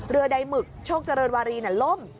เรือใดหมึกโชคเจริญวารีเนี่ยล่ม